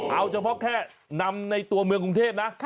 เอาเฉพาะแค่นำในตัวเมืองกรุงเทพนะ